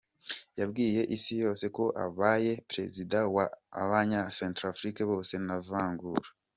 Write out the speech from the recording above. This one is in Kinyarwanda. Yabwiye isi yose ko abaye Perezida wa abanya Centrafrique bose nta vangura.